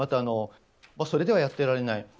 それではやってられない。